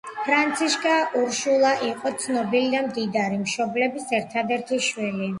ფრანციშკა ურშულა იყო ცნობილი და მდიდარი მშობლების ერთადერთი შვილი.